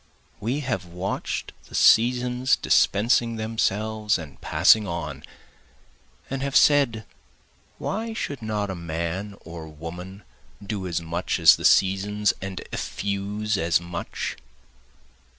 We have watch'd the seasons dispensing themselves and passing on, And have said, Why should not a man or woman do as much as the seasons, and effuse as much?